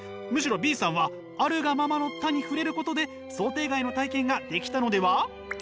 むしろＢさんは「あるがままの多」に触れることで想定外の体験ができたのでは？